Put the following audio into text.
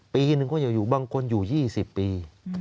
ปีหนึ่งก็ยังอยู่บางคนอยู่๒๐ปี